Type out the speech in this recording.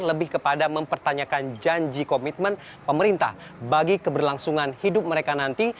lebih kepada mempertanyakan janji komitmen pemerintah bagi keberlangsungan hidup mereka nanti